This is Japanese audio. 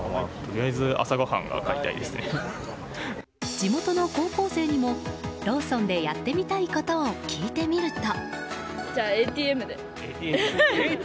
地元の高校生にもローソンでやってみたいことを聞いてみると。